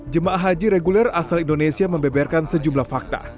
jemaah haji reguler asal indonesia membeberkan sejumlah fakta